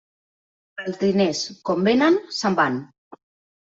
Els diners, com vénen, se'n van.